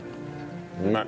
うまい。